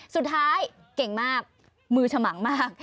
สุดท้ายเก่งมากมือฉมังมาก